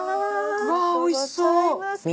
わっおいしそう。